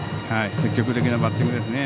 積極的なバッティングですね。